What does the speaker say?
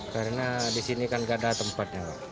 karena di sini kan nggak ada tempatnya pak